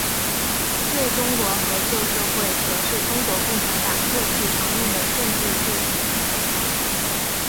旧中国和旧社会则是中国共产党过去常用的政治术语。